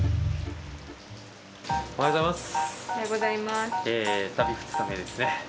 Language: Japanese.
おはようございます。